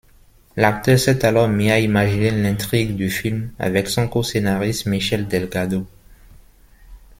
L'acteur s'est alors mis à imaginer l'intrigue du film avec son co-scénariste Michel Delgado.